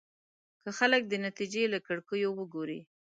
که خلک د نتيجې له کړکيو وګوري.